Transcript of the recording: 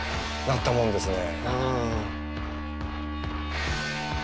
なったもんですね。